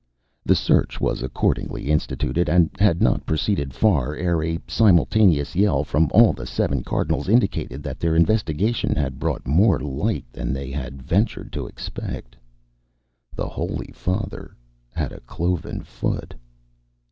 The search was accordingly instituted, and had not proceeded far ere a simultaneous yell from all the seven cardinals indicated that their investigation had brought more light than they had ventured to expect. The Holy Father had a cloven foot!